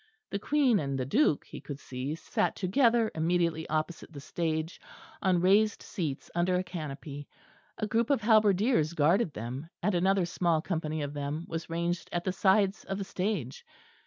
The Queen and the Duke, he could see, sat together immediately opposite the stage, on raised seats under a canopy; a group of halberdiers guarded them, and another small company of them was ranged at the sides of the stage.